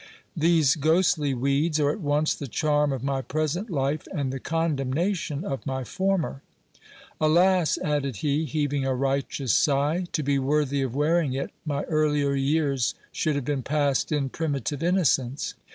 These ghostly weeds are at once the charm of my present life, and the condemnation of my former. Alas ! added he, heaving a righteous sigh, to be worthy of wearing it, my earlier years should have been passed in primitive innocence.